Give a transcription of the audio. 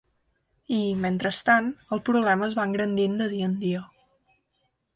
I, mentrestant, el problema es va engrandint de dia en dia.